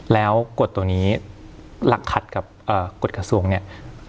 แล้วกฎตัวนี้หลักขัดกับกฎกระทรวงเนี่ย